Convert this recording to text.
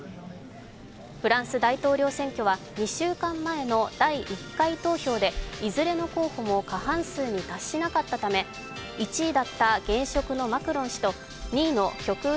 フランス大統領選挙は２週間前の第１回投票でいずれの候補も過半数に達しなかったため１位だった現職のマクロン氏と２位の極右